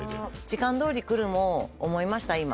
時間通り来るも思いました今。